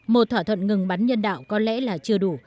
một thỏa thuận ngừng bắn nhân đạo có lẽ là chưa đủ